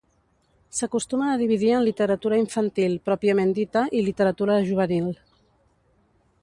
S'acostuma a dividir en literatura infantil pròpiament dita i literatura juvenil.